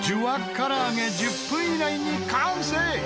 唐揚げ１０分以内に完成！